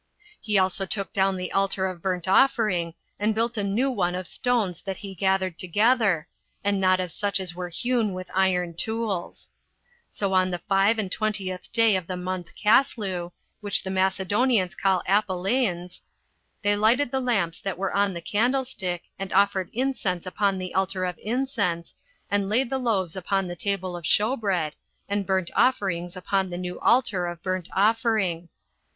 He also took down the altar [of burnt offering], and built a new one of stones that he gathered together, and not of such as were hewn with iron tools. So on the five and twentieth day of the month Casleu, which the Macedonians call Apeliens, they lighted the lamps that were on the candlestick, and offered incense upon the altar [of incense], and laid the loaves upon the table [of shew bread], and offered burnt offerings upon the new altar [of burnt offering].